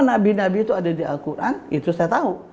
nabi nabi itu ada di al quran itu saya tahu